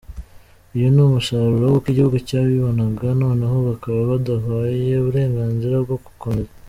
Uyu ni umusaruro w’uko igihugu cyabibonaga noneho bakaba baduhaye uburenganzira bwo gukomeza.